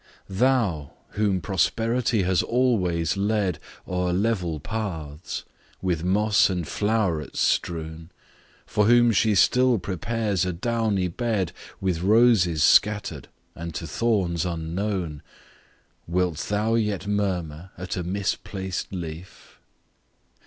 THOU! whom Prosperity has always led O'er level paths, with moss and flow'rets strewn; For whom she still prepares a downy bed With roses scatter'd, and to thorns unknown, Wilt thou yet murmur at a misplaced leaf?